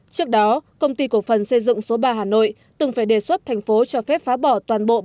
trước đó công ty cổ phần xây dựng số ba hà nội từng phải đề xuất thành phố cho phép phá bỏ toàn bộ